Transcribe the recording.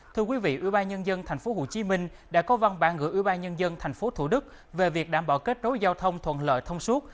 thưa quý vị ủy ban nhân dân tp hcm đã có văn bản gửi ủy ban nhân dân tp thủ đức về việc đảm bảo kết đối giao thông thuận lợi thông suốt